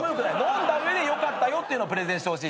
飲んだ上で良かったよっていうのをプレゼンしてほしい。